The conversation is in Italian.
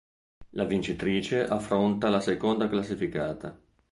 La vincitrice affronta la seconda classificata.